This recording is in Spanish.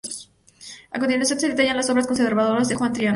A continuación se detallan las obras conservadas de Juan de Triana.